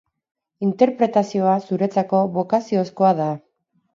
Interpretazioa zuretzako bokaziozkoa da.